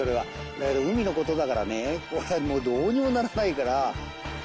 だけど海の事だからねこれはもうどうにもならないから。